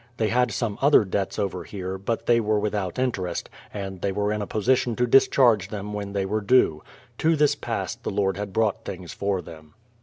They had some other debts over here, but they were with out interest, and they were in a position to discharge them when they were due. To this pass the Lord had brought things for them.